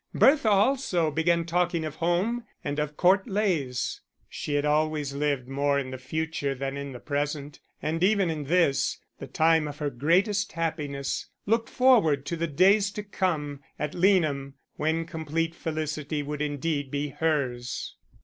Bertha also began talking of home and of Court Leys; she had always lived more in the future than in the present, and even in this, the time of her greatest happiness, looked forward to the days to come at Leanham, when complete felicity would indeed be hers.